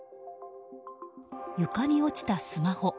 床に落ちたスマホ。